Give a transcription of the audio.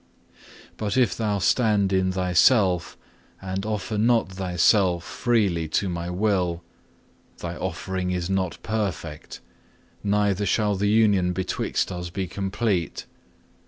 But if thou stand in thyself, and offer not thyself freely to My will, thy offering is not perfect, neither shall the union betwixt us be complete.